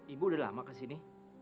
ibu udah lama kesini